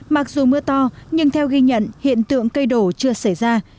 mặc dù mưa to nhưng theo ghi nhận hiện tượng cây đổ chưa xảy ra